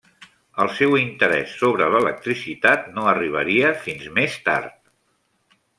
El seu interès sobre l'electricitat no arribaria fins més tard.